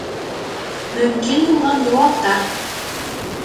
Мөмкин булған яуаптар